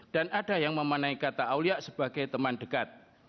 dan ada yang memanahi kata awliya sebagai teman dekat